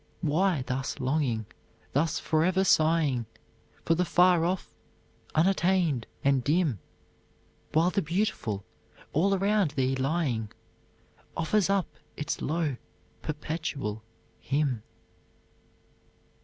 Why thus longing, thus forever sighing, For the far off, unattained and dim, While the beautiful, all around thee lying Offers up its low, perpetual hymn?